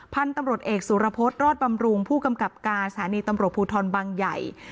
พันธุ์ตำรวจเอกสุรพฤษรอดบำรุงผู้กำกับการสถานีตำรวจภูทรบางใหญ่